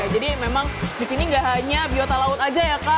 jadi memang di sini gak hanya biota laut aja ya kan